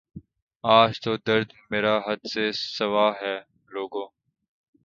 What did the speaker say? آج تو درد مرا حد سے سوا ہے لوگو